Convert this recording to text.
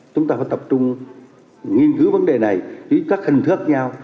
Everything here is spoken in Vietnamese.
chúng ta phải tập trung nghiên cứu vấn đề này với các hình thức khác nhau